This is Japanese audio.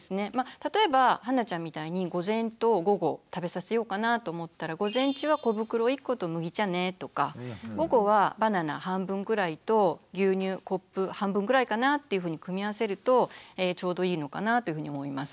例えばはんなちゃんみたいに午前と午後食べさせようかなと思ったら午前中は小袋１個と麦茶ねとか午後はバナナ半分ぐらいと牛乳コップ半分ぐらいかなっていうふうに組み合わせるとちょうどいいのかなというふうに思います。